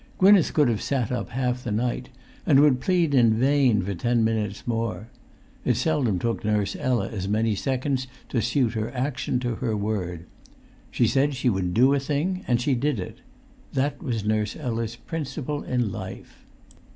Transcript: Gwynneth could have sat up half[Pg 355] the night, and would plead in vain for ten minutes more; it seldom took Nurse Ella as many seconds to suit her action to her word. She said she would do a thing, and did it; that was Nurse Ella's principle in life.